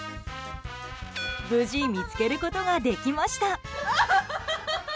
無事、見つけることができました。